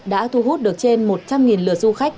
đã thu hút được trên một trăm linh lượt du khách